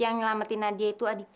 yang menyelamatkan nadia itu aditya